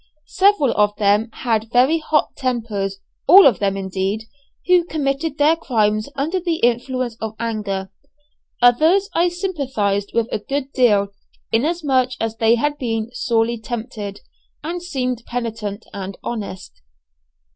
Several of them had very hot tempers, all of them, indeed, who committed their crimes under the influence of anger; others I sympathized with a good deal, inasmuch as they had been sorely tempted, and seemed penitent and honest.